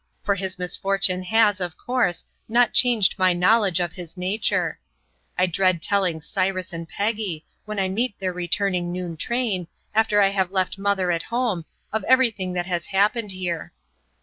For his misfortune has, of course, not changed my knowledge of his nature. I dread telling Cyrus and Peggy, when I meet their returning noon train, after I have left mother at home, of everything that has happened here.